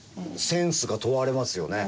センスが問われますよね。